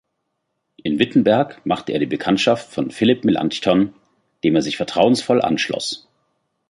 In Wittenberg machte er die Bekanntschaft von Philipp Melanchthon, dem er sich vertrauensvoll anschloss.